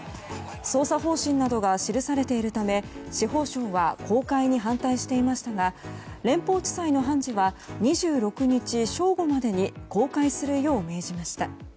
捜査方針などが記されているため司法省は公開に反対していましたが連邦地裁の判事は２６日正午までに公開するよう命じました。